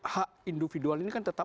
hak individual ini kan tetap